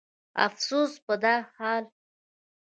افسوس په دا حال